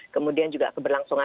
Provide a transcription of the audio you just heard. kemudian juga keberlangsungan